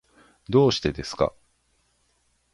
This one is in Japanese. どうしてですか。